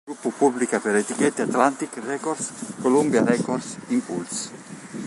Il gruppo pubblica per le etichette Atlantic Records, Columbia Records, Impulse!